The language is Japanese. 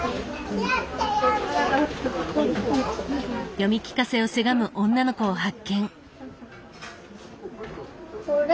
読み聞かせをせがむ女の子を発見。